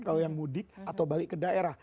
kalau yang mudik atau balik ke daerah